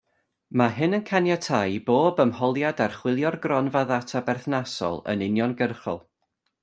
Mae hyn yn caniatáu i bob ymholiad archwilio'r gronfa ddata berthnasol yn uniongyrchol.